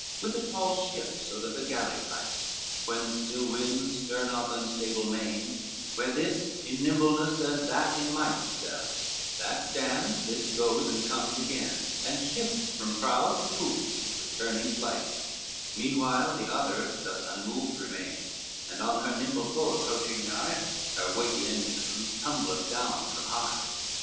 XIII With a tall ship so doth a galley fight, When the still winds stir not the unstable main; Where this in nimbleness as that in might Excels; that stands, this goes and comes again, And shifts from prow to poop with turnings light; Meanwhile the other doth unmoved remain, And on her nimble foe approaching nigh, Her weighty engines tumbleth down from high.